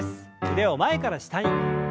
腕を前から下に。